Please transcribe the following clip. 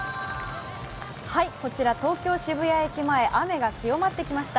こちら東京・渋谷駅前雨が強まってきました。